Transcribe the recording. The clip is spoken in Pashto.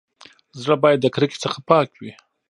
زړه بايد د کرکي څخه پاک وي.